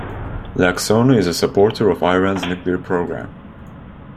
Laksono is a supporter of Iran's nuclear program.